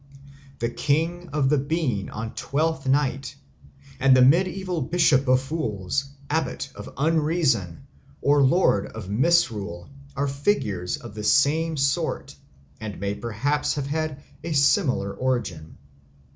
The King of the Bean on Twelfth Night and the mediaeval Bishop of Fools, Abbot of Unreason, or Lord of Misrule are figures of the same sort and may perhaps have had a similar origin.